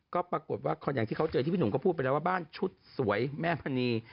ก็ปรากฏว่าอย่างที่เขาเจอที่พี่หนุ่มก็พูดไปแล้วว่าบ้านชุดสวยแม่มณี